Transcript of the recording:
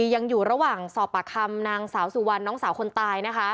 ยังอยู่ระหว่างสอบปากคำนางสาวสุวรรณน้องสาวคนตายนะคะ